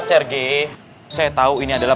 srg saya tahu ini adalah